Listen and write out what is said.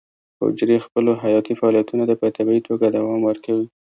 حجرې خپلو حیاتي فعالیتونو ته په طبیعي توګه دوام ورکوي.